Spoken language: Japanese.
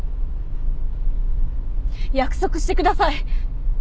約束してください！